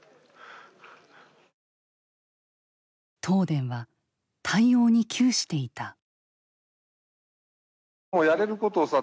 東電は対応に窮していた。